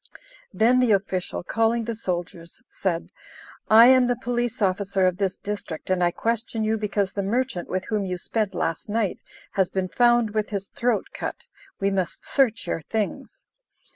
Then the official, calling the soldiers, said, "I am the police officer of this district, and I question you because the merchant with whom you spent last night has been found with his throat cut. We must search your things."